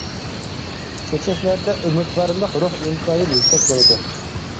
چۆچەكلەردە ئۈمىدۋارلىق روھ ئىنتايىن يۈكسەك بولىدۇ.